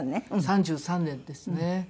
３３年ですね。